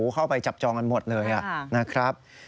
เข้าไปจับจองกันหมดเลยนะครับ